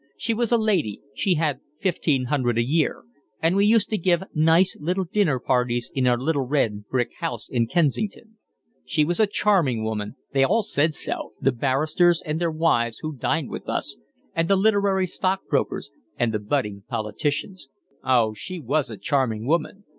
She was a lady, she had fifteen hundred a year, and we used to give nice little dinner parties in our little red brick house in Kensington. She was a charming woman; they all said so, the barristers and their wives who dined with us, and the literary stockbrokers, and the budding politicians; oh, she was a charming woman.